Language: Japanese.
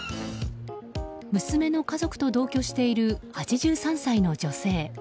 娘の家族と同居している８３歳の女性。